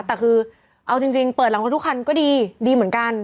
แต่คือเอาจริงเปิดหลังรถทุกคันก็ดีดีเหมือนกัน